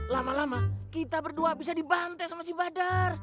lama lama kita berdua bisa dibantes sama si badar